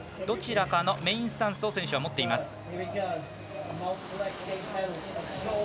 どちらかのメインスタンスを選手は持っています。